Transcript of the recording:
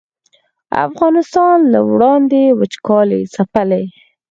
افغانستان له وړاندې وچکالۍ ځپلی